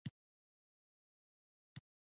د غزني په ناهور کې د څه شي نښې شته؟